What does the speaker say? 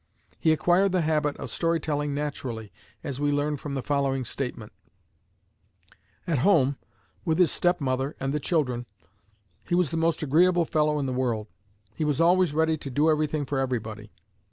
He acquired the habit of story telling naturally, as we learn from the following statement: "At home, with his step mother and the children, he was the most agreeable fellow in the world. He was always ready to do everything for everybody.